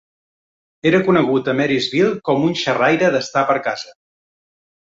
Era conegut a Marysville com un xerraire d'estar per casa.